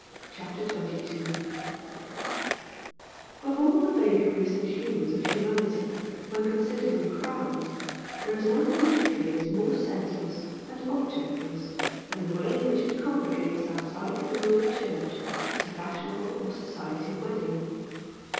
CHAPTER XXII Of all the vagaries and humours of humanity when considered in crowds, there is nothing which appears more senseless and objectless than the way in which it congregates outside the door of a church at a fashionable or "society" wedding.